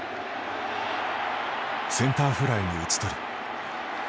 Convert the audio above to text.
センターフライに打ち取り。